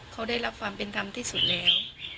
เขาได้รับความเป็นธรรมที่สุดแล้ว